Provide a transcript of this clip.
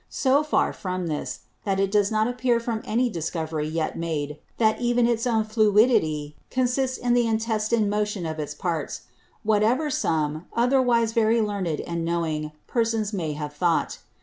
So far from this, that it does not appear from any Discovery yet made, that even its own Fluidity consists in the intestine Motion of its Parts; whatever some, otherwise very learned and knowing, Persons may have thought.